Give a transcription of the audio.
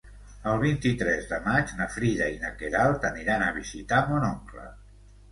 El vint-i-tres de maig na Frida i na Queralt aniran a visitar mon oncle.